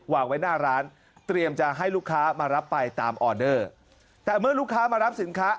วางไว้หน้าร้านเตรียมจะให้ลูกค้ามารับไปตามออเดอร์แต่เมื่อลูกค้ามารับสินค้า